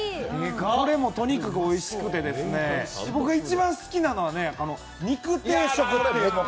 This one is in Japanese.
これもとにかくおいしくて僕が一番好きなのは、肉定食。